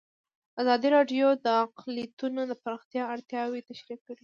ازادي راډیو د اقلیتونه د پراختیا اړتیاوې تشریح کړي.